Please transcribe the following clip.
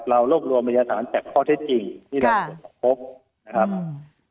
เรารวบรวมพยาฐานจากข้อเท็จจริงที่เราตรวจสอบพบนะครับ